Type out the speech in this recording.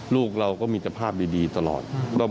ลูกเราก็มีสภาพดีตลอด